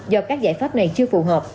do các giải pháp này chưa phù hợp